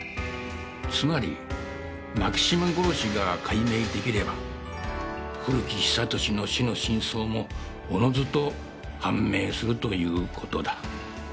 つまり牧島殺しが解明出来れば古木久俊の死の真相もおのずと判明するという事だ。